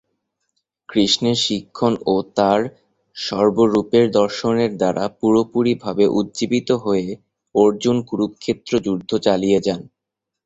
কৃষ্ণের শিক্ষণ ও তাঁর সর্ব-রূপের দর্শনের দ্বারা পুরোপুরিভাবে উজ্জীবিত হয়ে, অর্জুন কুরুক্ষেত্র যুদ্ধ চালিয়ে যান।